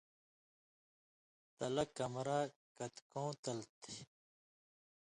تلہ کمرہ کَئیتکَوں تل تھی؟